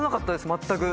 全く。